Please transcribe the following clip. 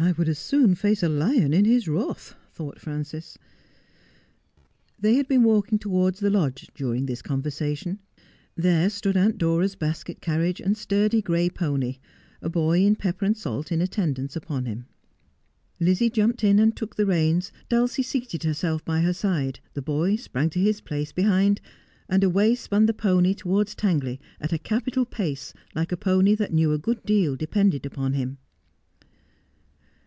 'I would as soon face a lion in his wrath,' thought Frances. They had been walking towards the lodge during this con versation. There stood Aunt Dora's basket carriage and sturdy gray pony, a boy in pepper and salt in attendance upon him. Lizzie jumped in and took the reins, Dulcie seated herself by her side, the boy sprang to his place behind, and away spun the pony towards Tangley at a capital pace, like a pony that knew a good deal depended upon him.